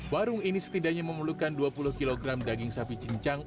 warung ini setidaknya memerlukan dua puluh kg daging sapi cincang